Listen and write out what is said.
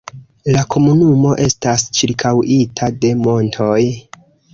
La komunumo estas ĉirkaŭita de montoj.